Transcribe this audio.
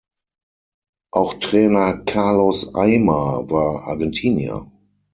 Auch Trainer Carlos Aimar war Argentinier.